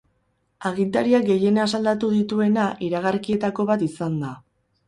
Agintariak gehien asaldatu dituena iragarkietako bat izan da.